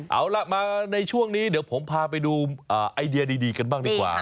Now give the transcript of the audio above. เอาล่ะมาในช่วงนี้เดี๋ยวผมพาไปดูไอเดียดีกันบ้างดีกว่า